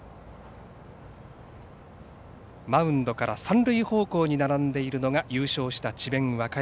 マウンドから三塁方向に並んでいるのが優勝した智弁和歌山。